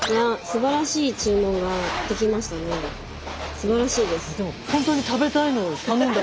すばらしいです。